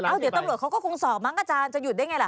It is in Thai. เดี๋ยวตำรวจเขาก็คงสอบมั้งอาจารย์จะหยุดได้ไงล่ะ